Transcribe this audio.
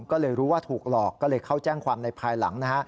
ก็เลยรู้ว่าถูกหลอกก็เลยเข้าแจ้งความในภายหลังนะฮะ